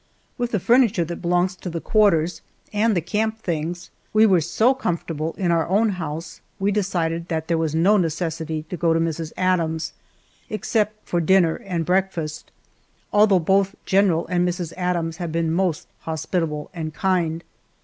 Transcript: With the furniture that belongs to the quarters and the camp things, we were so comfortable in our own house we decided that there was no necessity to go to Mrs. Adams's, except for dinner and breakfast, although both General and Mrs. Adams have been most hospitable and kind.